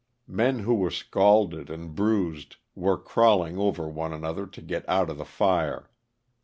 Men who were scalded and bruised were crawling over one another to get out of the fire.